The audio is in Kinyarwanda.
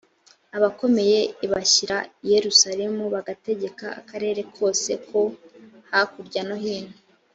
abakomeye ibashyira i yerusalemu bagategeka akarere kose ko hakurya no hino.